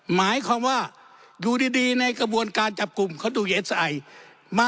หมายความว่าอยู่ดีในกระบวนการจับกลุ่ม